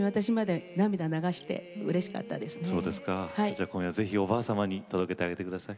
じゃあ今夜ぜひおばあさまに届けてあげて下さい。